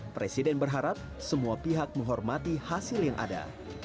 presiden berharap semua pihak menghormati hasil yang ada